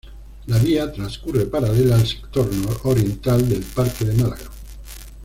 La vía transcurre paralela al sector nororiental del Parque de Málaga.